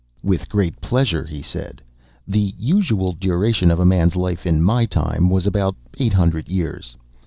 "With great pleasure," he said. "The usual duration of man's life, in my time, was about eight hundred years.